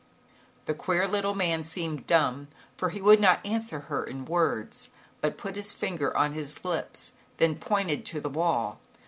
The queer little man seemed dumb, for he would not answer her in words, but put his finger on his lips, then pointed to the wall.